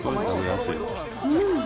うん。